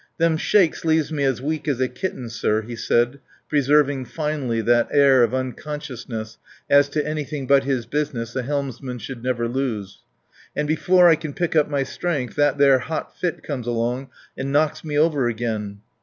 "Them shakes leaves me as weak as a kitten, sir," he said, preserving finely that air of unconsciousness as to anything but his business a helmsman should never lose. "And before I can pick up my strength that there hot fit comes along and knocks me over again."